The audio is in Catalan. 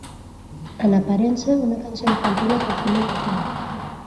En aparença una cançó infantil, es va fer molt popular.